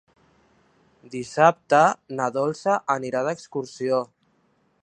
Dissabte na Dolça anirà d'excursió.